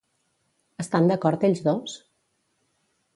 Estan d'acord ells dos?